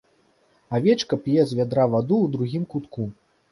Авечка п'е з вядра ваду ў другім кутку.